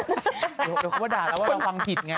เดี๋ยวเขามาด่าเราว่าเราฟังผิดไง